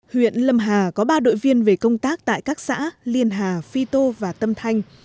huyện lâm hà có ba đội viên về công tác tại các xã liên hà phi tô và tâm thanh